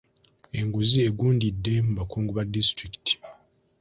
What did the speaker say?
Enguzi egundidde mu bakungu ba disitulikiti.